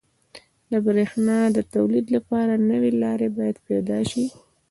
• د برېښنا د تولید لپاره نوي لارې باید پیدا شي.